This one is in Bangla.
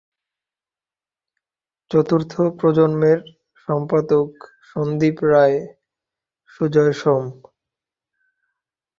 চতুর্থ প্রজন্মের সম্পাদক সন্দীপ রায়, সুজয় সোম।